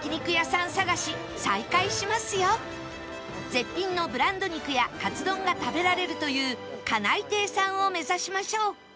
絶品のブランド肉やカツ丼が食べられるというカナイテイさんを目指しましょう